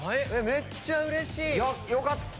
めっちゃうれしい！